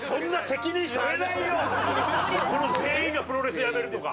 この全員がプロレスやめるとか。